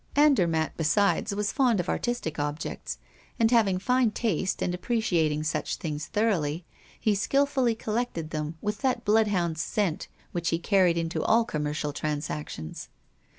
Andermatt, besides, was fond of artistic objects, and having fine taste and appreciating such things thoroughly, he skillfully collected them with that bloodhound's scent which he carried into all commercial transactions.